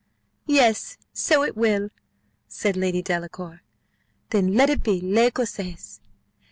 "Yes! so it will," said Lady Delacour: "then let it be L'Ecossaise.